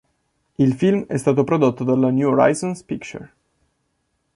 Il film è stato prodotto dalla New Horizons Picture.